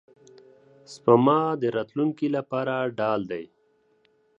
سپما د راتلونکي لپاره ډال دی.